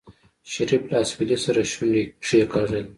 شريف له اسويلي سره شونډې کېکاږلې.